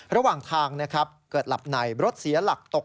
ระหว่างทางนะครับเกิดหลับในรถเสียหลักตก